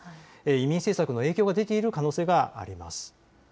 移民政策の影響が出ている可能性があります。